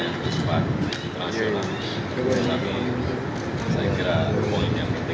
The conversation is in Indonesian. nanti kami berkembang ke kira kira hal hal yang berkaitan dengan ekonomi